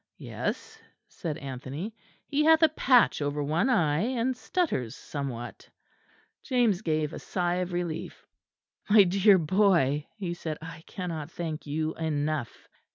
"Yes," said Anthony, "he hath a patch over one eye; and stutters somewhat." James gave a sigh of relief. "My dear boy," he said, "I cannot thank you enough.